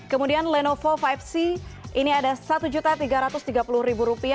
kemudian lenovo lima c ini ada rp satu tiga ratus tiga puluh